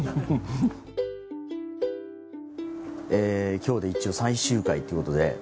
今日で一応最終回っていうことで。